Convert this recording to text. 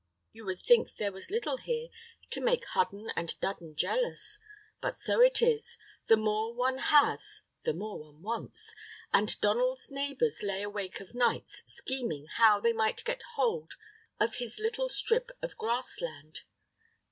You would think there was little here to make Hudden and Dudden jealous, but so it is, the more one has the more one wants, and Donald's neighbors lay awake of nights scheming how they might get hold of his little strip of grass land.